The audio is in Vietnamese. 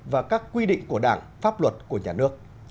và các quy định của đảng pháp luật của nhà nước